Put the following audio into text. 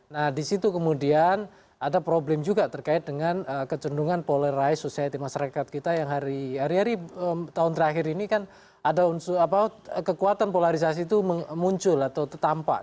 nah disitu kemudian ada problem juga terkait dengan kecendungan polarize society masyarakat kita yang hari hari tahun terakhir ini kan ada unsur kekuatan polarisasi itu muncul atau tertampak